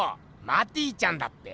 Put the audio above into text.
マティちゃんだっぺ！